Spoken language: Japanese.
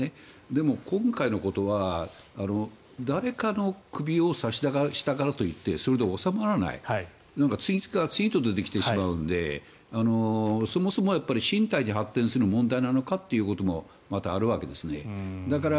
でも、今回のことは誰からの首を差し出したからといってそれで収まらない次々から次に出てきてしまうのでそもそも身体に発展する問題なのかということもまたあるわけですね。